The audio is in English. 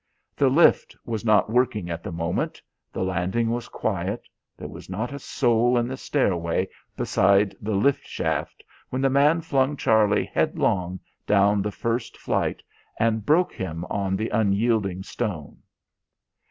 The lift was not working at the moment, the landing was quiet, there was not a soul on the stairway beside the liftshaft when the man flung Charlie headlong down the first flight and broke him on the unyielding stone.